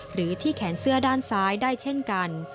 หรือที่แขนเสื้อด้านซ้ายได้เช่นกัน